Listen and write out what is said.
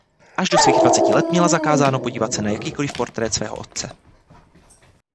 Až do svých dvaceti let měla zakázáno podívat se na jakýkoliv portrét svého otce.